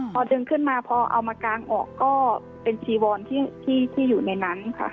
พอดึงขึ้นมาพอเอามากางออกก็เป็นจีวอนที่อยู่ในนั้นค่ะ